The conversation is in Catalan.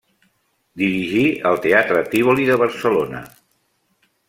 Dirigí el teatre Tívoli de Barcelona.